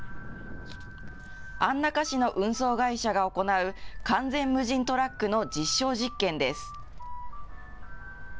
安中市の運送会社が行う完全無人トラックの実証実験です。